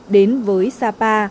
đến với sapa